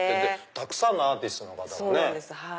たくさんのアーティストの方がね。